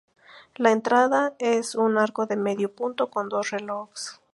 La entrada es en arco de medio punto con dos relojes.